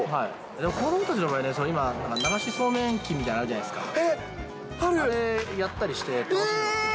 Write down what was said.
子どもたちの場合ね、流しそうめん機みたいなのあるじゃないですか。